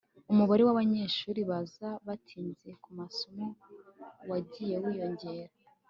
umubare wabanyeshuri baza batinze kumasomo wagiye wiyongera